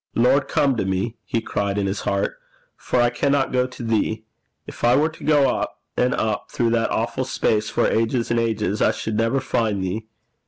'Lord, come to me,' he cried in his heart, 'for I cannot go to thee. If I were to go up and up through that awful space for ages and ages, I should never find thee.